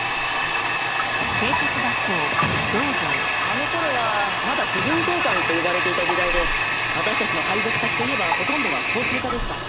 あの頃はまだ婦人警官と呼ばれていた時代で私たちの配属先といえばほとんどが交通課でした。